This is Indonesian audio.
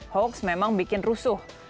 hoax memang bikin rusuh